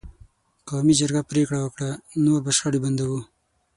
قومي جرګې پرېکړه وکړه: نور به شخړې بندوو.